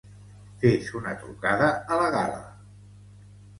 Fes una trucada a la Gal·la.